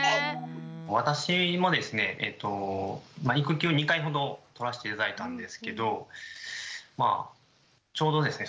私もですね育休２回ほど取らせて頂いたんですけどちょうどですね